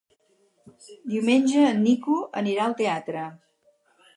Diumenge en Nico anirà al teatre.